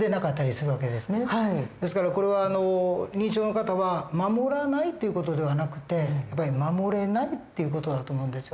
ですからこれは認知症の方は守らないという事ではなくて守れないっていう事だと思うんですよ。